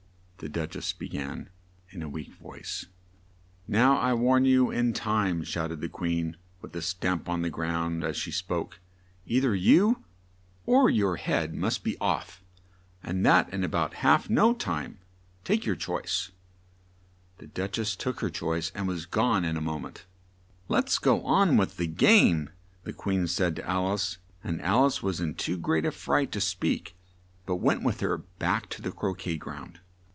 the Duch ess be gan in a weak voice. "Now, I warn you in time," shout ed the Queen, with a stamp on the ground as she spoke; "ei ther you or your head must be off, and that in a bout half no time! Take your choice!" The Duch ess took her choice and was gone in a mo ment. "Let's go on with the game," the Queen said to Al ice; and Al ice was in too great a fright to speak, but went with her, back to the cro quet ground.